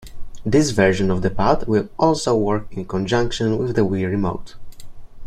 This version of the pad will also work in conjunction with the Wii Remote.